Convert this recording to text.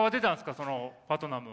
そのパトナムは。